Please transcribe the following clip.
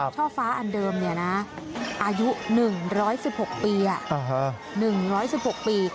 ช่อฟ้าอันเดิมเนี่ยนะอายุ๑๑๖ปีอ่ะ๑๑๖ปี